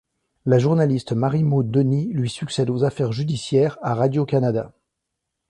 La journaliste Marie-Maude Denis lui succède aux affaires judiciaires à Radio-Canada.